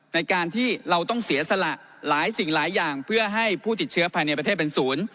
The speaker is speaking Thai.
ในการที่เราต้องเสียสละหลายสิ่งหลายอย่างเพื่อให้ผู้ติดเชื้อภายในประเทศเป็นศูนย์